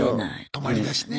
泊まりだしね。